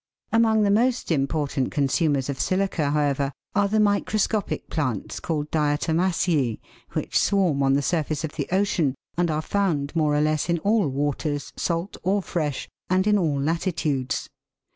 Among the most important consumers of silica, how ever, are the microscopic plants called Diatomaceae (Fig. 5), which swarm on the surface of the ocean, and are found, more or less, in all waters, salt or fresh, and in all latitudes.